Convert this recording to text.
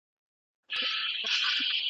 یو پراخ او ښکلی چمن دی .